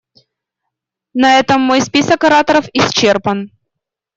На этом мой список ораторов исчерпан.